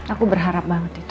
aku berharap banget itu